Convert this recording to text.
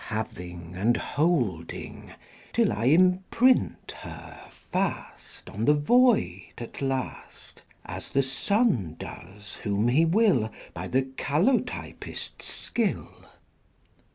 Having and holding, till I imprint her fast On the void at last As the sun does whom he will By the calotypist's skill X.